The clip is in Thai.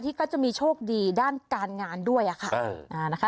ก็จะมีโชคดีด้านการงานด้วยค่ะ